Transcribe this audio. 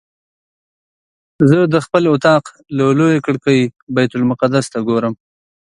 زه د خپل اطاق له لویې کړکۍ بیت المقدس ته ګورم.